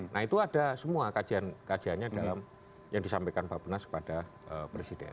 nah itu ada semua kajian kajiannya dalam yang disampaikan pak benas kepada presiden